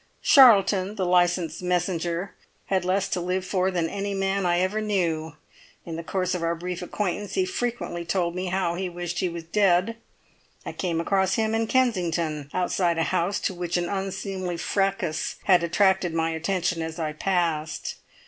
Charlton, the licensed messenger, had less to live for than any man I ever knew; in the course of our brief acquaintance he frequently told me how he wished he was dead. I came across him in Kensington, outside a house to which an unseemly fracas had attracted my attention as I passed.